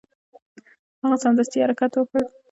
هغه سمدستي حرکت وکړ.